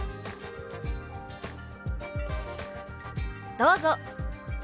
どうぞ！